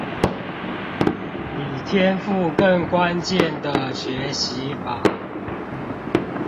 比天賦更關鍵的學習法